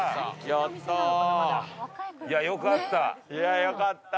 いやよかった！